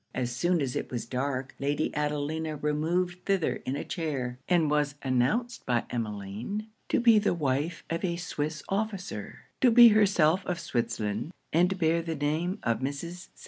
As soon as it was dark, Lady Adelina removed thither in a chair; and was announced by Emmeline to be the wife of a Swiss officer, to be herself of Switzerland, and to bear the name of Mrs. St.